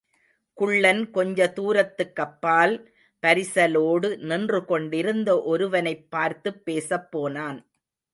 குள்ளன் கொஞ்ச தூரத்துக்கப்பால் பரிசலோடு நின்றுகொண்டிருந்த ஒருவனைப் பார்த்துப் பேசப் போனான்.